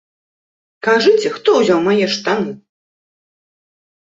Кажыце, хто ўзяў мае штаны?